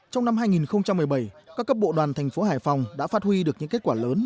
trong năm hai nghìn một mươi bảy các cấp bộ đoàn thành phố hải phòng đã phát huy được những kết quả lớn